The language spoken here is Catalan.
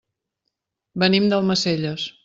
Venim d'Almacelles.